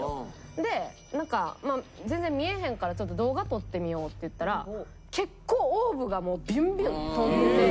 でなんか全然見えへんから「ちょっと動画撮ってみよう」って言ったら結構オーブがもうビュンビュン飛んでて。